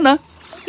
ini dengan selena